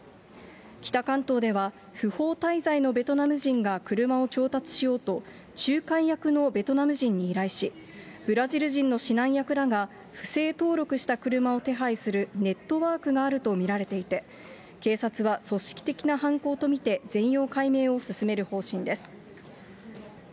北関東では、不法滞在のベトナム人が車を調達しようと、仲介役のベトナム人に依頼し、ブラジル人の指南役らが、不正登録した車を手配するネットワークがあると見られていて、警察は組織的な犯行とみて全容解明を進める方針です。